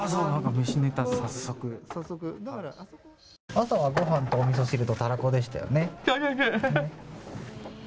朝は、ごはんとおみそ汁とたらこでしたよね。